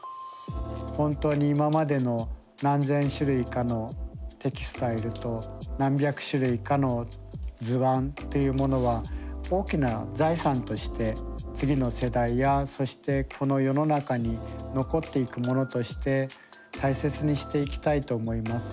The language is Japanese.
本当に今までの何千種類かのテキスタイルと何百種類かの図案というものは大きな財産として次の世代やそしてこの世の中に残っていくものとして大切にしていきたいと思います。